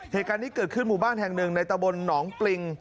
เหตุการณ์นี้เกิดขึ้นหมู่บ้านแห่งหนึ่งในตะบนหนองปริง